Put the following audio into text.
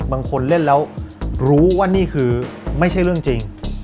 บางคนเล่นแล้วรู้ว่านี่คือไม่ใช่เรื่องจริง